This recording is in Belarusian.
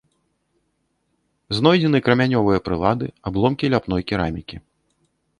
Знойдзены крамянёвыя прылады, абломкі ляпной керамікі.